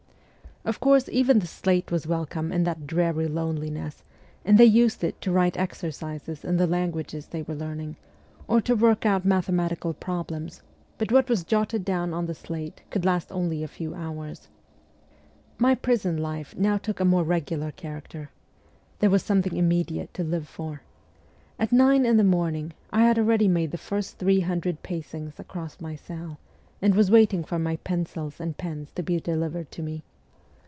Of course, even the slate was welcome in that dreary loneliness, and they used it to write exercises in the languages they were learning, or to work out mathematical problems ; but what was jotted down on the slate could last only a few hours. My prison life now took a more regular character. There was something immediate to live for. At nine in the morning I had already made the first three hundred pacings across my cell, and was waiting for my pencils and pens to be delivered to me.